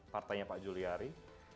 partainya pak juliari